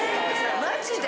・マジで！？